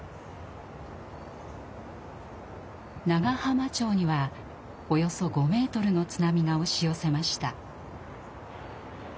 長浜町にはおよそ５メートルの津波が押し寄せました。